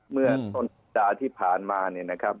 เมื่อต้นสัปดาห์ที่ผ่านมาเนี่ยนะครับ